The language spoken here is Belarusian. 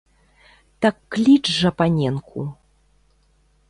Так кліч жа паненку!